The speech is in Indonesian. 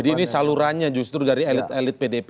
jadi ini salurannya justru dari elit elit pdp